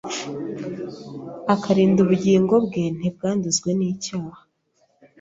akarinda ubugingo bwe ntibwanduzwe n’icyaha.